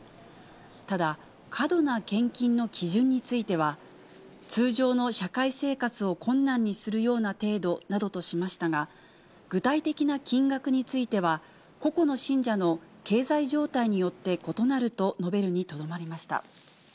ただ、過度な献金の基準については、通常の社会生活を困難にするような程度などとしましたが、具体的な金額については、個々の信者の経済状態によって異なると述べるにとどまりました。